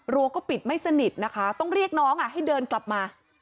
ัวก็ปิดไม่สนิทนะคะต้องเรียกน้องให้เดินกลับมา